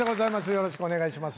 よろしくお願いします。